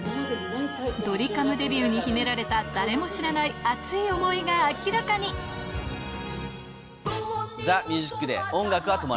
ドリカムデビューに秘められた誰も知らない熱い思いが明らかＴＨＥＭＵＳＩＣＤＡＹ